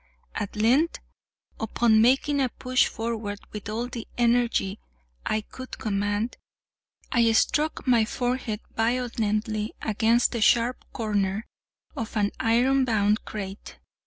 At length, upon making a push forward with all the energy I could command, I struck my forehead violently against the sharp corner of an iron bound crate.